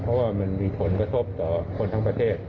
เพราะว่ามันมีผลกระทบต่อคนทั้งประเทศ